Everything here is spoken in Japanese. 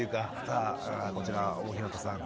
さあこちら大日向さん